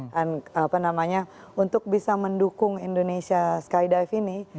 dan apa namanya untuk bisa mendukung indonesia skydive ini